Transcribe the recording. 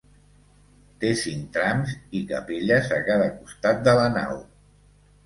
Té cinc trams i capelles a cada costat de la nau.